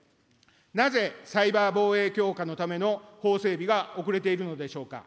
なぜサイバー防衛強化のための法整備が遅れているのでしょうか。